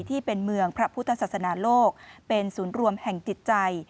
ที่เป็นเมืองพระพุทธศาสนาโลกเป็นศูนย์รวมแห่งจิตใจ